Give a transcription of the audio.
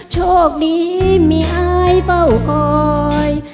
โชคดีมีอายเฝ้าคอย